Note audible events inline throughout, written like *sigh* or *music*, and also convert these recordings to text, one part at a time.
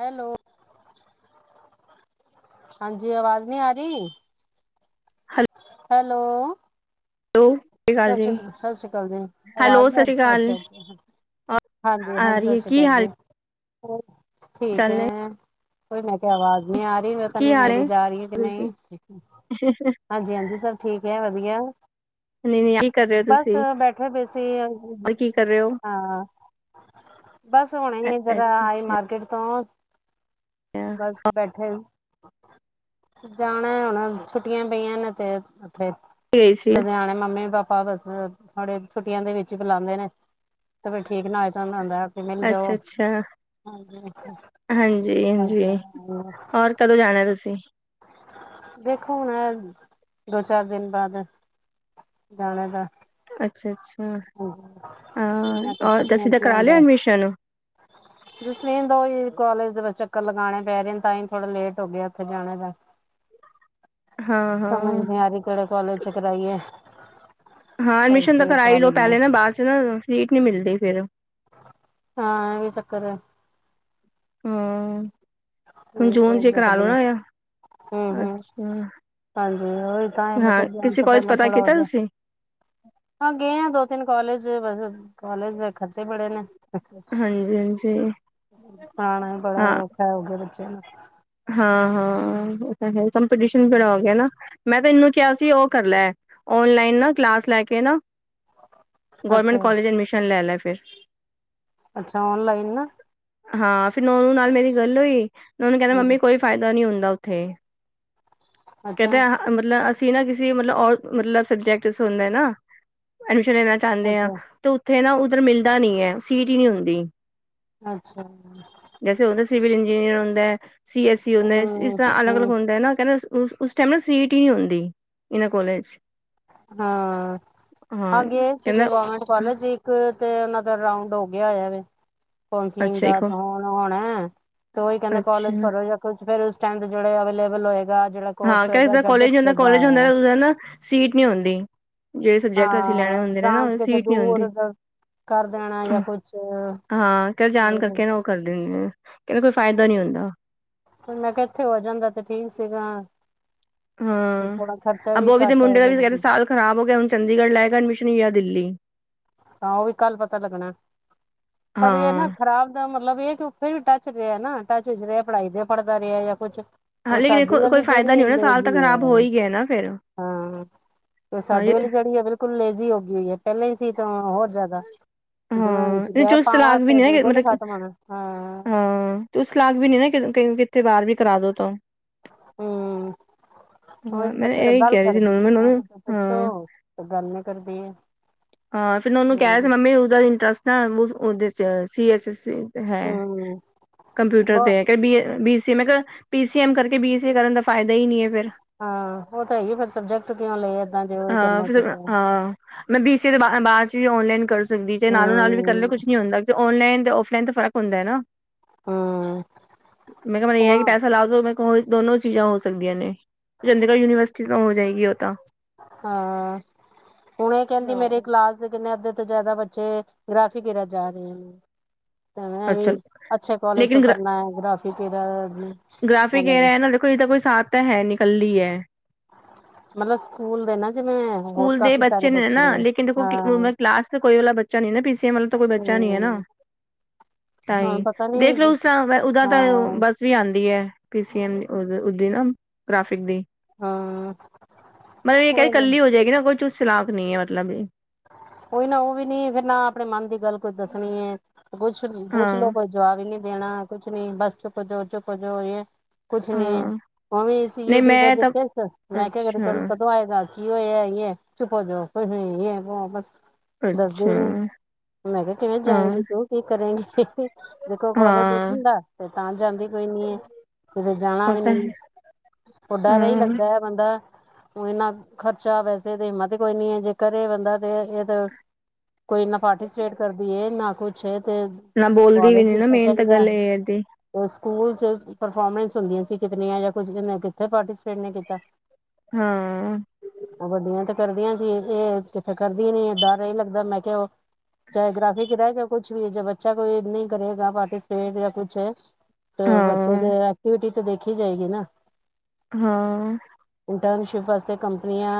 Hello ਹਾਂਜੀ ਆਵਾਜ਼ ਨਹੀਂ ਆ ਰਹੀ। ਹੈਲੋ? ਸਤਿ ਸ਼੍ਰੀ ਅਕਾਲ ਜੀ ਸਤਿ ਸ਼੍ਰੀ ਅਕਾਲ ਜੀ ਹੈਲੋ ਆਵਾਜ਼ ਨਹੀਂ ਸਤਿ ਆ ਸ਼੍ਰੀ ਰਹੀ ਅਕਾਲ ਅੱਛਾ -ਅੱਛਾ, ਹਾਂਜੀ ਆ -ਹਾਂਜੀ, ਰਹੀ ਸਤਿ ਹੈ ਸ੍ਰੀ ਕੀ ਅਕਾਲ ਹਾਲ ਜੀ ਹੋਰ ਠੀਕ ਚਾਲ ਨੇ ਹੈ। ਕੋਈ ਮੈਂ ਕਿਹਾ, ਆਵਾਜ਼ ਨਹੀਂ ਆ ਰਹੀ ਪਤਾ ਕੀ ਨਹੀਂ ਹਾਲ ਮੇਰੀ ਨੇ ਜਾ ਰਹੀ ਹੈ, ਕਿ ਨਹੀਂ ਹਾਂਜੀ- ਹਾਂਜੀ ਸਭ ਠੀਕ ਹੈ, ਵਧੀਆ ਨਹੀਂ ਨਹੀਂ ਕੀ ਕਰ ਰਹੇ ਹੋ ਬਸ ਤੁਸੀਂ ਬੈਠੇ ਪਏ ਸੀ ਔਰ ਕੀ ਕਰ ਰਹੇ ਹੋ ਹਾਂ, ਬਸ ਹੁਣੇ ਜਰਾ ਅੱਛਾ ਆਏ ਅੱਛਾ ਮਾਰਕੀਟ ਤੋਂ ਬਸ ਬੈਠੇ, ਜਾਣਾ ਹੁਣ ਛੁੱਟੀਆਂ ਪਈਆਂ ਨੇ 'ਤੇ ਕਿੱਥੇ ਗਈ ਸੀ ਲੁਧਿਆਣੇ ਮੰਮੀ - ਪਾਪਾ ਬਸ ਥੋੜੇ ਛੁੱਟੀਆਂ ਦੇ ਵਿੱਚ ਹੀ ਬੁਲਾਉਂਦੇ ਨੇ ਤੇ ਫੇਰ ਠੀਕ ਨਾ ਹੋਏ ਉਹਨਾਂ ਨੂੰ ਆ ਕੇ ਮਿਲ ਅੱਛਾ ਜਾਓ ਅੱਛਾ ਹਾਂਜੀ- ਹਾਂਜੀ ਔਰ ਕਦੋਂ ਜਾਣਾ ਤੁਸੀਂ ਦੇਖੋ, ਹੁਣ ਦੋ ਚਾਰ ਦਿਨ ਬਾਅਦ ਜਾਣੇ ਦਾ ਅੱਛਾ! ਅੱਛਾ ਹਾਂ ਛੁੱਟੀਆਂ ਔਰ ਦਸੀ ਦਾ ਵਿੱਚ ਹੀ ਕਰਾ ਲਿਆ ਆਉਂਦਾ ਐਡਮਿਸ਼ਨ ਜਸਲੀਨ ਦਾ ਉਹੀ ਬਸ ਕਾਲਜ ਵਿੱਚ ਕਾਲਜ ਦੇ ਵਿੱਚ, ਚੱਕਰ ਲਗਾਣੇ ਪੈ ਰਹੇ ਨੇ ਤਾਂ ਹੀ ਥੋੜਾ ਲੇਟ ਹੋ ਗਿਆ, ਉੱਥੇ ਜਾਣੇ ਦਾ ਹਾਂ ਸਮਝ ਹਾਂ ਨਹੀਂ ਆ ਰਹੀ ਕਿਹੜੇ ਕਾਲਜ ਚ ਕਰਾਈਏ ਹ ਹਾਂ ਐਡਮਿਸ਼ਨ ਤਾਂ ਕਰਾਲੀ ਲੈ ਹੀ ਲੋ ਪਹਿਲੇ ਨਾ ਬਾਅਦ ਚ ਨਾ ਸੀਟ ਨੀ ਮਿਲਦੀ ਫਿਰ ਹਾਂ ਇਹ ਵੀ ਚੱਕਰ ਹੈ ਹਮ ਹੁਣ ਜੂਨ ਚੇ ਕਰਾ ਦੇਖਦੇ ਲੂਣਾ ਆ ਹੂੰ ਹੂੰ ਅੱਛਾ ਹਾਂਜੀ ਉਹੀ ਤਾਂ ਹੀ ਮੈਂ ਕਿਹਾ ਹਾਂ ਜਾਣ ਕਿਸੇ ਤੋਂ ਕੋਾਲਜ ਪਹਿਲਾਂ ਪਤਾ ਥੋੜਾ ਹੋ ਕੀਤਾ ਜਾ ਤੁਸੀਂ ਹਾਂ ਗਏ ਹ ਦੋ ਤਿੰਨ ਕਾਲਜ ਬਸ ਕਾਲਜ ਦੇ ਖਰਚੇ ਬੜੇ ਨੇ ਹਾਂਜੀ ਹਾਂਜੀ ਖਣਾ ਵੀ ਬੜਾ ਹਾਂ ਔਖਾ ਹੋ ਬੱਚਿਆਂ ਨੂੰ ਹਾਂ ਹਾਂ ਅ ਕੰਪੀਟੀਸ਼ਨ ਬਣਾ ਗਿਆ ਨਾ ਮੈਂ ਤੇ ਇਹਨੂੰ ਕਿਹਾ ਸੀ ਉਹ ਕਰ ਲੈ ਓਨਲਾਈਨ ਨਾ ਕਲਾਸ ਲੈ ਕੇ ਨਾ ਅੱਛਾ ਗਵਰਮੈਂਟ ਕਾਲਜ ਐਡਮਿਸ਼ਨ ਲੈ ਲ ਫ *unintelligible* ਅੱਛਾ ਔਨਲਾਈਨ ਨਾ ਹਾਂ ਫਰ ਨਨੂੰ ਨਾਲ ਮੇਰੀ ਗੱਲ ਹੋਈ ਉਹਨੂੰਹਿੰਦਾ ਹਾਂਜੀ ਮੰਮੀ ਕੋਈ ਫਾਇਦਾ ਨਹੀਂੀ ਹੁੰਦਾ ਉੱਥੇ ਅੱਛਾ ਕਹਿੰਦੇ ਆਹ ਮਤਲਬ ਅ ਅ ਨਾ ਕਿਸਸੀ ਮਤਲਬ ਮਤਲਬ ਸਬਜੈਕਟ ਚ ਹੁੰਦਾ ਨਾ ਲੈਣਾ ਚਾਹੁੰਦੇ ਆਾਂ ਅੱਛਾ ਤੇ ਉਥੇ ਨਾ ਉੱਧਰ ਮਿਲਦਾ ਨੀ ਹੈ ਸੀਟ ਹੀ ਨੀ ਹੁੰਦੀ ਅੱਛਾ ਜੈਸੇ ਹੁੰਦਾ ਸਿਵਲ ਇੰਜੀਨੀਅਰ ਹੁੰਦਾ ਹੈ ਸੀ ਐੱਸ ਸੀ ਹੁੰ ਹੂੰ ਇਸ ਅਲਗ ਹੂੰ ਅਲਗੁੰਦਾ ਨਾਹਿੰ ਉਸ ਟਾਈਮ ਨਾ ਸੀਟੀ ਨਹੀਂ ਹੁੰਦੀ ਇਨਾਂ ਕਾਲਜ ਹਾਂ ਅਾਂਗੇ ਸੀਗੇ ਕਹਿੰਦਾ ਗਰਮੈਂਟ ਕਾਲਜ ਇੱਕ ਤੇ ਉਹ ਰਾਂਡ ਹੋ ਗਿਆ ਹੋਇਆ ਵ ਕਸਲਿੰਗ ਅੱਛਾ ਦਾ ਇੱਕ ਹੁਣ ਹੁਣ ਹੈ ਤੇ ਉਹੀ ਕਹਿੰਦਾ ਅੱਛਾ ਕਾਲਜ ਭਰੋ ਜਾਂ ਕੁ ਫਰ ਉਸ ਟਾਈਮ ਜਹੜੇ ਅ ਵੱਲੋਂ ਹਾਂ ਕ ਜਿੱਾਂ ਕੋਲੇਜ ਹੁੰਦਾ ਕੋਾਲਜ ਹੁੰਦਾ ਨਾ ਸੀਟ ਨਹੀਂੀ ਆੁੰਂਦੀ ਜਿਹੜੇ ਸਬਜੈਕਟ ਅਸੀਂ ਲੈਣੇ ਹਾਂ ਹੁੰਦੇ ਨੇ ਨਾ ਉਹ ਬ੍ਰਾਂਚ ਕਿਤੇ ਸੀਟ ਨੀ ਹੁੰਦੀ ਦੂਰ ਕਰ ਦੇਣਾ ਜਾਂ ਕੁਛ ਹਾਂ ਕੱਲ ਜਾਣ ਕਰਕੇ ਨਾ ਉਹ ਕਰ ਦਿੰਦੇ ਆ ਮੈਂ ਕਿਹਾ ਇੱਥੇ ਹੋ ਜਾਂਦਾ ਤੇ ਠੀਕ ਸੀਗਾ ਥੋੜਾ ਖਰਚਾ ਹਾਂ ਬੋ ਵੀ ਤੇ ਘੱਟ ਹੈ ਮੁੰਡੇ ਦਾ ਵੀ ਕਹਿੰਦੇ ਸਾਲ ਖ਼ਰਾਬ ਹੋ ਗਿਆ ਹੁਣ ਚੰਡੀਗੜ੍ਹ ਲੈ ਕੇ ਐਡਮਿਸ਼ਨ ਹੀ ਆ ਦਿੱਲੀ ਤਾਂ ਉਹ ਵੀ ਕੱਲ ਪਤਾ ਲੱਗਣਾ ਪਰ ਇਹ ਨਾ ਹਾਂ ਖ਼ਰਾਬ ਦਾ ਮਤਲਬ ਇਹ ਕਿਉਂ ਕੋਈ ਵੀ ਟੱਚ ਰਿਹਾ ਨਾ ਟੱਚ ਵਿੱਚ ਰਿਹਾ ਪੜ੍ਹਾਈ ਦੇ ਪੜ੍ਹਦਾ ਰਿਹਾ ਜਾਂ ਕੁਛ ਹਾਂ ਉਹ ਲੇਕਿਨ ਸਾਡੀ ਦੇਖੋ ਕੋਈ ਵਾਲੀ ਫਾਇਦਾ ਜਿਹੜੀ ਨੀ ਹੈ ਹੋਣਾ ਸਾਲ ਤਾਂ ਲੇਜ਼ੀ ਖ਼ਰਾਬ ਹੋ ਆ ਹੀ ਗਿਆ ਨਾ ਫੇਰ ਹਾਂ। ਤੇ ਹਾਂ ਸਾਡੇ ਵਾਲੀ ਜਿਹੜੀ ਆ ਬਿਲਕੁਲ ਲੇਜ਼ੀ ਹੈ ਗਈ ਹੋ ਹੈ ਪਹਿਲਾਂ ਹੀ ਸੀ ਤਾਂ ਹੋਰ ਜ਼ਿਆਦਾ ਜਿਹਨਾਂ ਹੂੰ, ਵਿੱਚ ਨਹੀਂ ਗੈਪ ਚੁਸਤ ਪਾਵਾਂ ਚਲਾਕ ਵੀ ਤੇ ਨਹੀਂ ਬਿਲਕੁਲ ਹੀ ਮਤਲਬ ਤੂੰ ਖਤਮ ਹੋਣਾ ਹਾਂ ਚੁਸਤ ਚਲਾਕ ਵੀ ਨਹੀਂ ਕਿ ਕਈ ਕਿੱਥੇ ਬਾਹਰ ਵੀ ਕਰਾ ਦੋ ਤਾਂ ਹੂੰ ਓਹੀ ਹਾਂ ਤੇ ਮੈਂ ਚੱਕਰ ਇਹੀ ਗੱਲ ਕਹਿ ਰਹੀ ਸੀ ਕਰਦੀ ਨੋਨੂੰ ਮੈਂ ਨੀ ਐ ਨੋਨੂੰ ਤੁਸੀ ਹਾਂ ਪੁੱਛੋ ਤੇ ਗੱਲ ਨੀ ਕਰਦੀ ਐ ਹਾਂ। ਫਿਰ ਉਹਨੂੰ ਕਿਹਾ ਸੀ ਮੰਮੀ ਉਹਦਾ ਇੰਟਰਸਟ ਨਾ ਉਹਦੇ ਚ ਸੀ ਐੱਸ ਸੀ ਸੀ ਹੂੰ, ਕੰਪਿਊਟਰ ਬ ਤੇ ਕਦੇ ਏ ਬੀ ਸੀ ਮੈਂ ਕਿਹਾ ਪੀ ਸੀ ਐਮ ਕਰਕੇ ਬੀ ਸੀ ਏ ਕਰਨ ਦਾ ਫਾਇਦਾ ਹੀ ਨੀ ਐ ਫਿਰ ਹਾਂ। ਉਹ ਤਾਂ ਹੈਗੀ ਫਿਰ ਸਬਜੈਕਟ ਕਿਉਂ ਲਏ ਏਦਾਂ ਜੇ ਓਹੀ ਕਰਨਾ ਪੈਂਦਾ ਫੇਰ ਕਿਸੇ ਦੇ ਬਾ ਬਾਅਦ ਚ ਵੀ ਔਨਲਾਈਨ ਕਰ ਸਕਦੀ ਤੇ ਨਾਲੋਂ ਨਾਲ ਵੀ ਕਰਲੇ ਹੂੰ ਕੁੱਛ ਨੀ ਹੁੰਦਾ ਤੇ ਔਨਲਾਈਨ ਔਫਲਾਈਨ ਤੇ ਫ਼ਰਕ ਹੁੰਦਾ ਐ ਨਾ ਹੂੰ ਮੈਂ ਕਿਹਾ ਮੈਨੂੰ ਇਹ ਹੈ ਕਿ ਹੁਣ ਪੈਸਾ ਲਾ ਦੋ ਮੈਂ ਓਹੀ ਦੋਨੋ ਚੀਜ਼ਾਂ ਹੋ ਸਕਦੀਆਂ ਨੇ ਚੰਡੀਗੜ੍ਹ ਯੂਨੀਵਰਸਿਟੀ ਤਾਂ ਹੋ ਜਾਏਗੀ ਉਹ ਤਾਂ ਹਾਂ। ਹੁਣ ਏ ਕਹਿੰਦੀ ਨਾ ਮੇਰੇ ਕਲਾਸ ਦੇ ਕਿੰਨੇ ਅੱਧ ਤੋਂ ਜ਼ਿਆਦਾ ਬੱਚੇ ਗਰਾਫੀ ਤਰਫ਼ ਜਾ ਰਹੇ ਨੇ ਤੇ ਮੈਂ ਅੱਛਾ ਵੀ ਅੱਛੇ ਕਾਲਜ ਤੋਂ ਲੇਕਿਨ ਕਰਨਾ ਐ ਗਰਾਫ *unintelligible* ਗ੍ਰਾਫਿਕ ਏਰਾ ਐ ਨਾਲੇ ਕੋਈ ਇਦਾ ਕੋਈ ਸਾਥ ਤਾਂ ਹੈਨੀ ਕਲੀ ਐ ਮਤਲਬ ਸਕੂਲ ਦੇ ਨਾ ਜਿਵੇਂ ਹੋਰ ਸਕੂਲ ਦੇ ਕਾਫੀ ਸਾਰੇ ਬੱਚੇ ਨੇ ਨਾ ਲੇਕਿਨ ਦੇਖੋ ਹਾਂ ਕਲਾਸ ਕੋਈ ਵਾਲਾ ਬੱਚਾ ਨੀ ਨਾ ਪੀ ਸੇਮ ਮਤਲਬ ਤਾਂ ਕੋਈ ਬੱਚਾ ਨੀ ਐ ਨਾ ਹਮ ਤਾਂ ਹਾਂ ਈ ਪਤਾ ਨੀ ਦੇਖ ਲਓ ਉਸ ਤਰ ਓਦਾ ਤਾਂ ਹਾਂ ਬੱਸ ਵੀ ਆਉਂਦੀ ਐ ਪੀ ਸੀ ਐਮ ਉ ਉਦੀ ਨਾ ਗ੍ਰਫਿਕ ਦੀ ਹਾਂ ਮੈ ਇਹ ਕਹਿ ਕੋਈ ਕੱਲੀ ਹੋ ਜਾਏਗੀ ਨਾ ਕੋ ਚੁਸਤ ਚਲਾਕ ਨੀ ਐ ਮਤਲਬ ਇਹ ਉਹੀ ਨਾ ਉਹ ਵੀ ਨੀ ਫੇਰ ਨਾ ਆਪਣੇ ਮਨ ਦੀ ਗੱਲ ਕੁਝ ਦੱਸਣੀ ਐ ਕੁਝ ਨੀ ਪੁਛ ਲੋ ਹਾਂ ਤਾਂ ਕੋਈ ਜਵਾਬ ਨੀ ਦੇਣਾ ਕੁੱਛ ਨੀ ਬਸ ਚੁੱਪ ਹੋਜੋ ਚੁੱਪ ਹੋਜੋ ਇਹ ਕੁਛ ਨੀ ਹਾਂ ਉਵੇ ਈ ਸੀ ਨਹੀਂ ਯੂਟੀ ਦਾ ਮੈਂ ਤਾਂ ਦਿੱਤਾ ਸ ਮੈਂ ਕਿਹਾ ਰਿਜਲਟ ਅੱਛਾ ਕਦੋਂ ਆਏਗਾ ਕੀ ਹੋਇਆ ਈ ਐ ਚੁੱਪ ਹੋਜੋ ਹੋ ਬਸ ਦੱਸਦੀ ਹੀ ਅੱਛਾ ਨੀ ਮੈਂ ਕਿਹਾ ਕਿਵੇਂ ਹਾਂ ਜਾਏਂਗੀ ਤੂੰ ਕੀ ਕਰੇਗੀ *unintelligible* ਵੇਖੋ ਕਾਲਜ ਹਾਂ ਦੇਖਣ ਦਾ ਤਾਂ ਜਾਂਦੀ। ਕੋਈ ਨੀ ਕਿਤੇ ਜਾਣਾ ਉਹ ਵੀ ਤਾਂ ਨੀ ਹੈ ਡਰ ਏਈ ਹਾਂ ਲੱਗਦਾ ਹੈ ਬੰਦਾ ਇੰਨਾ ਖਰਚਾ ਵੈਸੇ ਤੇ ਹਿੰਮਤ ਕੋਈ ਨੀ ਹੈ ਕਰੇ ਬੰਦਾ *unintelligible* ਇਹ ਤਾਂ ਕੋਈ ਨਾ ਪਾਰਟੀਸਪੇਟ ਕਰਦੀ ਹੈ ਨਾ ਕੁਛ *unintelligible* ਨਾ ਬੋਲਦੀ ਵੀ ਕਾਲਜ ਨੀ ਵਿੱਚ ਨਾ ਮੇਨ ਤਾਂ ਚਾਹੀਦਾ ਗੱਲ ਇਹ ਏਦੀ। ਤੇ ਸਕੂਲ ਚ ਪਰਫੋਰਮੈਂਸ ਹੁੰਦੀਆਂ ਸੀ ਕਿਤਨੀਆਂ ਜਾਂ ਕੁੱਝ ਕਿੱਥੇ ਪਾਰਟੀਪੇਟ ਨੀ ਕੀਤਾ। ਹੂੰ। ਵੱਡੀਆਂ ਤਾਂ ਕਰਦੀਆਂ ਸੀ ਇਹ ਤ ਕਰਦੀ ਨਹੀਂ ਡਰ ਏਹ ਲਗਦਾ ਮੈਂ ਕਿਹਾ ਚਾਹੇ ਗ੍ਰਾਫੀ ਰੇਹ ਜਾਏ ਚਾਹੇ ਕੁਛ ਵੀ ਜੇ ਬੱਚਾ ਕੋਈ ਨਹੀਂ ਕਰੇਗਾ ਪਾਰਟੀਸਪੇਟ ਯਾ ਕੁਛ ਤੇ ਬੱਚੇ ਹਾਂ ਦੇ ਐਕਟੀਵਿਟੀ ਤੇ ਦੇਖੀ ਜਾਏਗੀ ਨਾ। ਹਾਂ। ਇੰਟਰਨਸ਼ਿਪ ਵਾਸਤੇ ਕੰਪਨੀਆਂ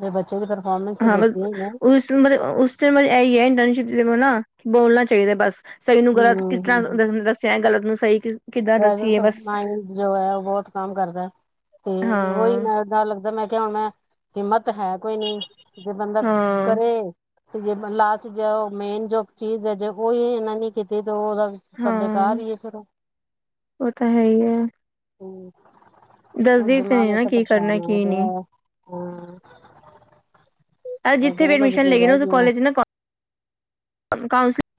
ਦੇ ਬੱ ਚੇ ਦੀ ਪਰਫੋਰਮੈਂਸ ਤੇ ਦੇਖ *unintelligible* ਬੋਲਣਾ ਚਾਹੀਦਾ ਬਸ। ਸਹੀ ਨੂੰ ਗ਼ਲਤ ਕਿਸ ਹੂੰ ਹੂੰ ਤਰ੍ਹਾਂ ਦੱਸਿਆ ਗਲਤ ਨੂੰ ਸਹੀ ਕਿਸ ਕਿੱਦਾਂ ਦੱਸੀਏ ਬਸ ਹੈ ਬਹੁਤ ਕੰਮ ਕਰਦਾ ਤੇ ਉਹੀ ਹਾਂ ਮੈਂ ਡਰ ਲੱਗਦਾ ਮੈਂ ਹੁਣ ਮੈਂ ਹਿੰਮਤ ਤ ਹੈ ਕੋਈ ਨੀ ਜੇ ਬੰਦਾ ਹਾਂ ਕਰੇ ਤੇ ਜੇ ਲਾਸਟ ਜੋ ਮੇਨ ਜੋ ਚੀਜ਼ ਹੈ ਜੇ ਉਹੀ ਇਹਨਾਂ ਨੀ ਕੀਤੀ ਤੇ ਉਹਦਾ ਸਭ ਬੇਕਾਰ ਹਾਂ ਹੀ ਏ ਫੇਰ ਉਹ। ਉਹ ਤਾਂ ਹੈ ਹੀ ਹੈ। ਅ ਦੱਸਦੀ ਤੇ ਦਿਮਾਗ ਨੀ ਨਾ ਇੱਥੇ ਕੀ ਕਰਨਾ ਪਰੇਸ਼ਾਨ ਹੋਇਆ ਕੀ ਨਹੀਂ ਪਿਆ ਐ ਇਹ ਜਿੱਥੇ ਵੀ ਐਡਮਿਸ਼ਨ ਲੈ ਗੀ ਨਾ ਓਥੇ ਗਈਆਂ ਕਾਲਜ ਚ ਨਾ ਕੌਸ ਕੌਂਸਲਿੰਗ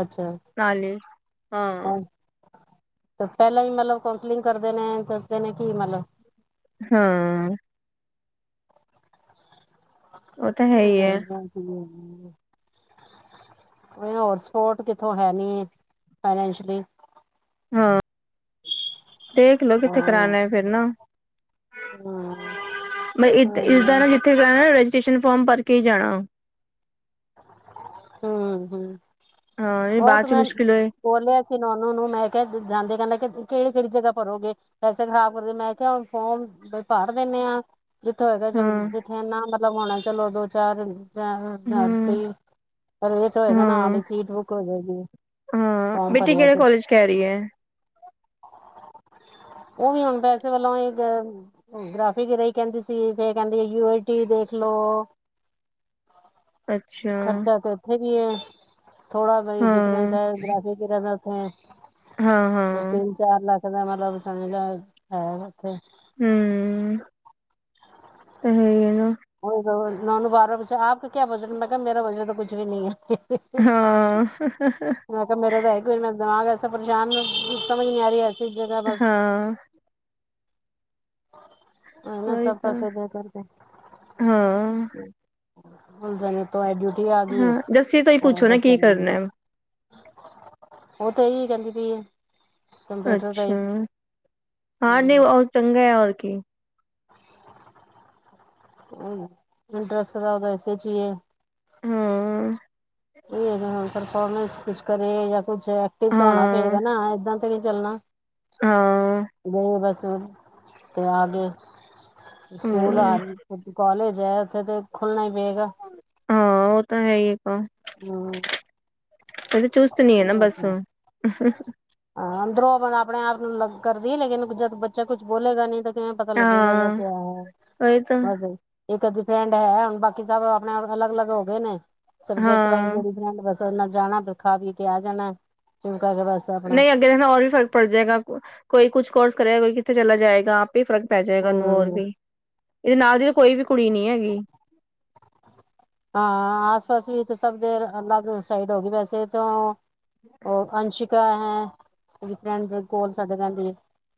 ਅੱਛਾ ਨਾਲੇ ਹਾਂ। ਤੇ ਪਹਿਲਾਂ ਹੀ ਮਲਬ ਕੌਂਸਲਿੰਗ ਕਰਦੇ ਨੇ ਦੱਸਦੇ ਨੇ ਕੀ ਮਲਬ। ਹਾਂ। ਉਹ ਤਾਂ *unintelligible* ਹੈ ਹੀ ਹੈ ਹੋਰ ਸਪੋਟ ਕਿਥੋਂ ਹੈ ਨੀ ਫਾਈਨਸ਼ਲੀ। ਹਾਂ ਦੇਖਲੋ ਕਿੱਥੇ ਹੂੰ ਕਰਾਣਾ ਫਿਰ ਨਾ ਹੂੰ ਇਸਦਾ ਨਾ ਜਿੱਥੇ ਕਰਾਣਾ ਨਾ ਸੇਸ਼ਨ ਫੋਮ ਭਰ ਕੇ ਹੀ ਜਾਣਾ ਹਮ ਹਮ ਹਾਂ ਉਹ ਬਾਅਦ ਤੇ ਚ ਮੈਂ ਮੁਸ਼ਕਿਲ ਹੋਏ ਬੋਲਿਆ ਸੀ ਨਨੂੰ ਨੂੰ ਮੈਂ ਕਿਹਾ ਜਾਂਦੇ ਕਹਿੰਦਾ ਕਿ ਕਿਹੜੀ ਕਿਹੜੀ ਜਗ੍ਹਾ ਭਰੋਗੇ ਪੈਸੇ ਖ਼ਰਾਬ ਕਰਦੇ ਮੈਂ ਕਿਹਾ ਹੁਣ ਫੋਮ ਭਰ ਦਿੰਦੇ ਹਾਂ ਜਿੱਥੋਂ ਹੈਗਾ ਜਗ ਹਾਂ ਜਿੱਥੇ ਲਗਾਉਣਾ ਚਲੋ ਦੋ ਚਾਰ ਰ ਹੂੰ, ਸਹੀ ਪਰ ਇਹ ਤਾਂ ਹੋਏਗਾ ਨਾ ਹਾਂ ਵੀ ਸੀਟ ਬੁੱਕ ਹੋ ਜਾਏਗੀ ਹਾਂ ਫੋਰਮ ਬੇਟੀ ਭਰਿਆ ਕਿਹੜੇ ਤੇ ਕੋਾਲਜ ਕਹਿ ਰਹੀ ਹੈ ਉਹ ਵੀ ਹੁਣ ਪੈਸੇ ਵੱਲੋਂ ਗ੍ਰਾਫਿਕ ਰਹੀ ਕਹਿੰਦੀ ਸੀ ਫੇਿਰ ਕਹਿੰਦੀ ਯੂ ਆਈ ਟੀ ਦੇਖ ਲੋ ਅੱਛਾ ਕੀਆ ਥੋੜਾ ਬਈ ਡਿਫਰੈਂਸ ਹਾਂ, ਹੈ ਗੀ ਹਮ ਹਾਂ, ਹਾਂ ਤਿੰਨ ਚਾਰ ਲੱਖ ਦਾ ਮਤਲਬ ਸੁਣੇ ਦਾ ਹੈ ਉੱਥੇ ਹਮ ਤੇ ਨਾ ਹੋਰ ਨੌ ਨੂੰ ਬਾਰਾਂ ਬਜੇ ਆਪ ਕਿਆ ਵਜਨਟ ਮੈਂ ਕਿਹਾ ਮੇਰਾ ਵਜਨ ਕੁਛ ਵੀ ਨਹੀਂ ਹੈ ਹਾਂ ਸ ਪਰੇਸ਼ਾਨ ਸਮਝ ਨਹੀਂ ਆ ਰਿਹਾ ਹਾਂ ਹਨ ਨਾ ਉਹੀ ਸਭ ਤਾਂ ਪੈਸੇ ਦੇ ਕਰਕੇ ਹਾਂ, ਜਾਣੇ ਤ ਡਿਊਟੀ ਆ ਗਈ ਹਾਂ ਜੱਸੀ ਤੋਂ ਹੀ ਪੁੱਛੋ ਉਹ ਨਾ ਕੀ ਕਰਨਾ ਹੈ? ਤਾਂ ਇਹੀ ਕਹਿੰਦੀ ਪਈ ਕੰਪਿਊਟਰ ਦਾ ਹੀ ਅੱਛਾ ਹਾਂ ਨਹੀਂ ਬਹੁਤ ਚੰਗਾ ਹੈ ਰ ਓਕੇ ਹਮ ਇੰਟਰਰਸ ਦਾ ਉਹਦਾ ਐਸੇ ਚੀਏ ਹਾਂ ਇਹ ਪਰਫੋਰਮੈਂਸ ਕੁਛ ਕਰੇ ਜਾਂ ਕੁੱਝ ਐਕਟਿਵ ਤਾਂ ਹੋਣਾ ਹਾਂ, ਪਏਗਾ ਨਾ ਏਦਾਂ ਤੇ ਨੀ ਚੱਲਣਾ ਹਾਂ ਗਏ ਬਸ ਤੇ ਆ ਗ ਸਕੂਲ ਆ ਹੂੰ, ਕਾਲਜ ਉੱਥੇ ਤੇ ਖੁੱਲਣਾ ਹੀ ਪਏਗਾ ਹਾਂ ਉਹ ਤਾਂ ਹੈ ਇੱਕ ਹਾਂ ਹਮ ਕਦੇ ਚੂਤ ਨ ਇਹ ਨਾ ਬੱਸ ਆਪਣੇ ਆਪ ਨੂੰ ਲੱਗ ਕਰਦੀਏ ਲੇਿਨ ਜਦ ਬੱਚਾ ਕੁੱਛ ਬੋਲੇਗਾ ਨਹੀਂ ਤਾਂ ਕਿਵੇਂ ਪਤਾ ਲੱਗੇਗਾ ਯ ਹਾਂ ਕਿਆ ਉਹੀ ਤਾਂ ਹੈ ਇੱਕ ਅੱਧੀ ਫਰੈਂਡ ਹੈ ਹੁਣ ਬਾਕੀ ਸਭ ਆਪਣੇ ਅਲੱਗ ਅਲੱਗ ਹੋ ਗਏ ਨੇ ਸਬਜੈਕਟ ਵਾਈਜ਼ ਹਾਂ ਜਿੜ ਜਾਣਾ ਖਾ ਵੀੀ ਕੇ ਆ ਜਾਣਾ ਕੇ ਬਸ ਆਪਣਾ ਨਹੀਂ ਅੱਗੇ ਰਣਾ ਰ ਵੀ ਫ਼ਰਕ ਪੜ ਜਾਏਗਾ ਕੋਈ ਕੁਛ ਕੋਰਸ ਕਰੇਗਾ ਕੋਈ ਚਲਾ ਜਾਏਗਾ ਆਪ ਵੀ ਫ਼ਰਕ ਪੈ ਜਾਏਗਾਨੂੰ ਹੋਰ ਹਮ ਵੀ ਇਹਦੇ ਨਾਲ ਦੀ ਤਾਂ ਕੋਈ ਵੀ ਕੁੜੀ ਨੀ ਹੈਗੀ ਹਾਂ ਆਸ ਪਾਸ ਵੀ ਤੇ ਸਭ ਦੇ ਅਲੱਗ ਸਾਈਡ ਹੋ ਗਈ ਵੈਸੇ ਤਾਂ ਉਹ ਅੰਸ਼ਿਕਾ ਹੈ ਫੈਂਡ ਕੋਲ ਸਦੇ ਰਹਿੰਦੀ ਹੈ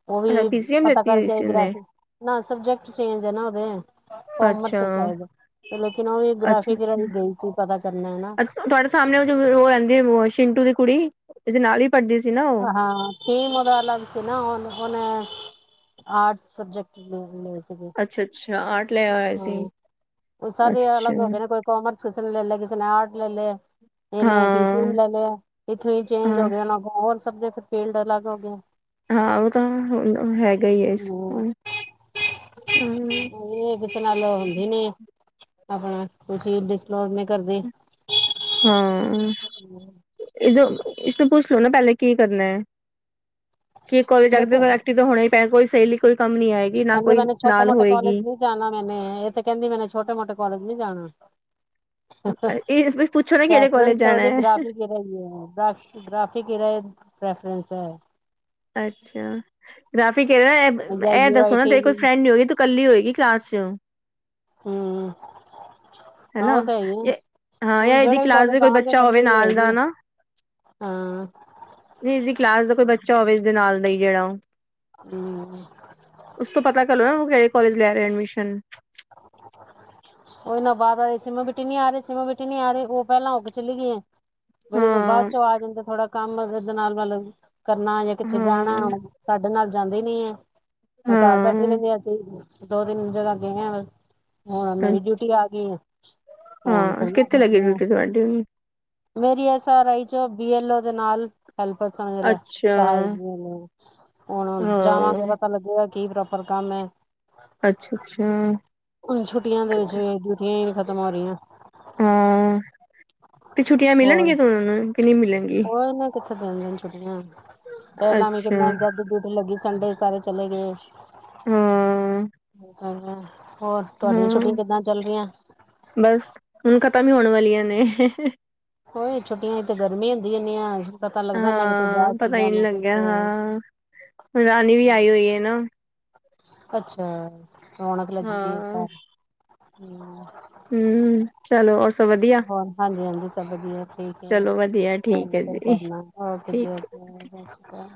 ਉਹ ਵੀ ਅੱਛਾ ਪੀ ਸੀ ਐਮ ਪਤਾ ਲਿੱਤੀ ਹੋਈ ਕਰਕੇ ਆਏ ਸੀ ਉਹਨੇ ਗ੍ਰਫਿਕ ਨਾ ਸਬਜੈਕਟ ਚੇਜ ਹੈ ਨਾ ਉਹਦੇ ਕਮਰਸ ਅੱਛਾ ਚ ਚਾਹੀਦਾ ਲੇਕਿਨ ਉਹ ਗਫ ਅੱ ਅੱਛ ਤੁਹਾਡੇ ਸਾਹਮਣੇ ਉਹ ਉਹ ਰਹਿੰਦੀ ਵਸ਼ਿੰਗ ਦੀ ਕੁੜੀ ਇਹਦੇ ਨਾਲ ਹੀ ਪੜ੍ਹਦੀ ਸੀ ਨਾ ਉਹ ਹਾਂ ੀਮਦਾ ਅਲੱਗ ਸੀ ਨਾ ਉਹਨੂੰ ਉਹਨ ਆਰਟ ਸਬਜੈਕਟ ਲ ਅੱਛਾ ਅੱਛਾ ਜਾਂ ਆੱਠ ਲਿਆ ਹੋਇਆ ਸੀ ਅੱਛਾ ਕਿਸੇਨ ਲੈ ਲੈ ਕਿਸੇ ਨੇ ਆਟ ਲੈ ਲ ਇਹਨੇ ਪੀ ਸੀ ਹਾਂ ਲੈ ਲਿਆ ਇੱਥੋਂ ਹੀ ਚੇਂਜ ਹੋ ਹਾਂ ਗਿਆ ਹੋਰ ਦੇਖ ਫੀਲਡ ਅਲੱਗ ਹੋ ਗਿਆ ਹਾਂ ਉਹ ਤਾਂ ਹੈਗੀ ਹਮ ਹਾਂ ਇਹ ਕਿਸ ਸੁਣਾ ਲ ਦਿਨੀੇ ਆਪਣਾ ਕੋਈ ਚੀਜ਼ ਡਿਸਪਲੋਜ ਨਹੀਂ ਕਰਦੇ ਹਾਂ ਇਹ ਇਸਨੂੰ ਪੁੱਛ ਲੋਓ ਨਾ ਪਹਿਲੇ ਕੀ ਕਰਨਾ ਹੈ ਕੀ ਕਾਲਜ ਦੇਖੋ ਜਾਣਾ ਐਕਟਿਵ ਤਾਂ ਹੋਣਾ ਹੀ ਪੈਣਾ ਸ਼ੈਲੀ ਕੋ ਕਹਿੰਦੀ ਮੈਨੇ ਛੋਟੇ ਮੋਟੇ ਕੋਾਲਜ ਨੀ ਜਾਣਾ ਮੈਨੇ ਇਹ ਤੇ ਕਹਿੰਦੀ ਮੈਨੇ ਛੋਟੇ ਮੋਟੇ ਕੋਾਲਜ ਨੀ ਜਾਣਾ ਇਹ ਪੁੱਛੋ ਨਾ ਕਿਹੜੇ ਕੋਲਜ ਪ੍ਰੈਫਰੈਂਸ ਜਾਣਾ ਤਾਂ ਹੈ ਗ੍ਰਾਫੀ ਕਿਰਾ ਹੀ ਹੈ ਗ ਗ੍ਰਾਫੀਿਕ ਕਿਰਾ ਪ੍ਰਫਰਨਸ ਹੈ ਅੱਛਾ ਰਾਫੀ ਕਹ ਜਾਂ ਇਹ ਯੂ ਦੱਸੋ ਆਈ ਨਾ ਟੀ ਤੇਰੇ ਕੋਈ ਵੀ ਫਰੈਂਡ ਨੀ ਹੋ ਗਗੀ ਕੱਲੀ ਹੋਏਗੀ ਕਲਾਸ ਚ ਹਮ ਹਾਂ ਹਨਾ ਉਹ ਤਾਂ ਹੈ ਹੀ ਹੈ ਹਾਂ ਹੁਣ ਯ ਇਹਦੀ ਜਿਹੜੇ ਕਲਾਸ ਦਾ ਕੋਲਜ ਕੋਈ ਆਵਾਂਗੇ ਬੱਚਾ ਹੋਵੇ ਇਕੱਲੀ ਨਾਲ ਦਾ ਹੋਏਗੀ ਨਾ ਹਾਂ ਇਹਦੀ ਕਲਾਸ ਦਾ ਕੋਈ ਬੱਚਾ ਹੋਵੇ ਇਸਦੇ ਨਾਲ ਦਾ ਹੀ ਜਿਹੜਾ ਉਹ ਹਮ ਉਸ ਤੋਂ ਪਤਾ ਕਰ ਲੋ ਨਾ ਉਹ ਕ ਕਦੋਂ ਲਿਆ ਰਿਹਾ ਐਡਮਿਸ਼ਨ ਉਹ ਇਨਾ ਬਾਹਰ ਆਹੀ ਸੀਮਾ ਬੇਟੀ ਨੀ ਆ ਰਹੀ ਸੀਮਾ ਬੇਟੀ ਨੀ ਆ ਰਹੀ ਉਹ ਪਹਿਲਾਂ ਉੱਗ ਚਲੀ ਗਈ ਬ ਬਾਅਦ ਹਾਂ ਚੋਂ ਆ ਜਾਂਦਾ ਥੋੜਾ ਕੰਮ ਦੇ ਨਾਲ ਵਾਲ ਕਰਨਾ ਜਾਂ ਕਿੱਥੇ ਹਾਂ ਜਾਣਾੇ ਨਾਲ ਜਾਂਦੇ ਨੀ ਹੈ ਮੈਂ ਘਰ ਬੈਠੇ ਹਾਂ ਰਹਿੰਦੇ ਆ ਚਹੀ ਦੋ ਤਿੰਨ ਜਗ੍ਹਾ ਗਏ ਫ ਮੇਰੀ ਡਿਊਟੀ ਆ ਗਈ ਹਾਂ ਕਿੱਥੇ ਲੱਗੀ ਆ ਡਿਊਟੀ ਤੁਹਾਡੀ ਮੇਰੀ ਐਸ ਆਰ ਰਾਈ ਚ ਬੀ ਐਲ ਓ ਦੇ ਨਾਲ ਹੈਲਪਰ ਸਮਝ ਲੈ ਅੱਛਾ ਜਾਵਾਂਗੇ ਹਾਂ ਤਾਂ ਪਤਾ ਲੱਗੇਗਾ ਕੀ ਪ੍ਰੋਪਰ ਕੰਮ ਹੈ ਅੱਛਾ ਅੱਛਾ ਹੁਣ ਛੁੱਟੀਆਂ ਦੇ ਵਿੱਚ ਡਿਊਟੀ ਖਤਮ ਹੋ ਰਹੀ ਹਾਂ ਤੇ ਛੁੱਟੀਆਂ ਹੋਰ ਮਿਲਣਗੀਆਂ ਤ ਨੂੰ ਕਿ ਨਹੀਂ ਮਿਲਣਗੀ ਹੋਰ *inaudible* ਪਹਿਲਾਂ ਵੀ ਅੱਛਾ ਕਿੰਨਾ ਜਦ ਜਦ ਲੱਗੀ ਸੰਡੇ ਸਾਰੇ ਚਲੇ ਗਏ ਹਮ ਹਮ ਬਸ ਹੁਣ ਖਤ ਵੀ ਹੋਣ ਵਾਲੀਆਂ ਨੇ ਹੋ ਛੋਟੀਆਂ ਹੀ ਤੇੇ ਗਰਮੀੀਆਂ ਵਧੀਆ ਨ ਹਾਂ ਪਤਾ ਹੀ ਨਹੀਂੀ ਲੱਗਿਆ ਕੁਛ ਹਾਂੁ ਰਾਣੀ ਵੀ ਆਈ ਹੋਈ ਹੈ ਨਾ ਅੱਛਾ ਰੌਣਕ ਲੱਗੀ ਪਈ ਹੈ ਹਾਂ ਘਰ ਹਮ ਹਮ ਚਲੋ ਰ ਹੋਰ ਹਾਂਜੀ ਹਾਂਜੀ ਸਭ ਵਧੀਆ ਠੀਕ ਹੈ ਚਲੋ ਵਧੀਆ ਠੀਕ ਚਲੋ ਹੈ ਫਿਰ ਜੀ ਕਰਨਾ ਓਕੇ ਜੀ ਠੀਕ ਓ ਸਤਿ ਸ਼੍ਰੀ ਅਕਾਲ